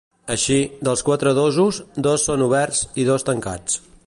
Així, dels quatre dosos, dos són oberts i dos tancats.